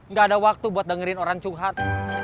nggak ada waktu buat dengerin orang curhat